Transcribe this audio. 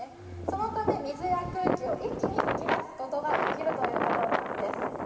そのため水や空気を一気に吹き出すことができるんです。